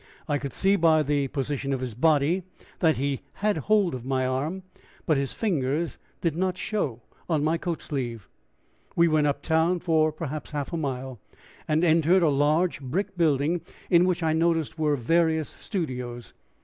I could see by the position of his body that he had hold of my arm, but his fingers did not show on my coat sleeve. We went up town for perhaps half a mile, and entered a large brick building in which I noted were various studios.